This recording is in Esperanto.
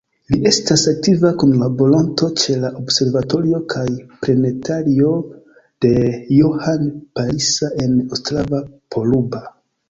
Li estis aktiva kunlaboranto ĉe la Observatorio kaj planetario de Johann Palisa en Ostrava-Poruba.